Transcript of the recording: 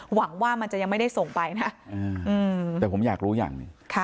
หวังว่ามันจะยังไม่ได้ส่งไปนะแต่ผมอยากรู้อย่างหนึ่ง